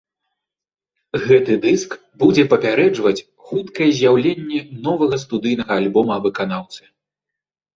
Гэты дыск будзе папярэджваць хуткае з'яўленне новага студыйнага альбома выканаўцы.